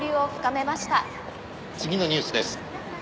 次のニュースです。